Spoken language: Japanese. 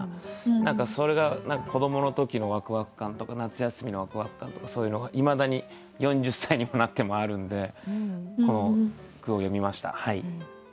何かそれが子どもの時のワクワク感とか夏休みのワクワク感とかそういうのがいまだに４０歳にもなってもあるんでこの句を詠みました。